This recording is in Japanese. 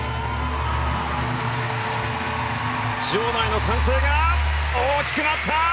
場内の歓声が大きくなった！